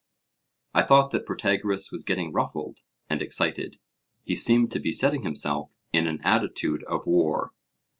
I thought that Protagoras was getting ruffled and excited; he seemed to be setting himself in an attitude of war.